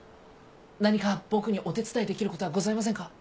何か僕にお手伝いできる事はございませんか？